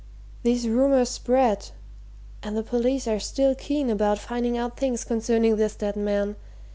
These rumours spread and the police are still keen about finding out things concerning this dead man.